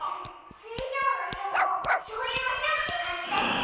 スイショウのショウもしょうゆのしょうってかんじだしね！